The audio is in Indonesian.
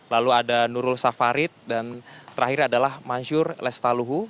lalu ada nurul safarid dan terakhir adalah mansur lestaluhu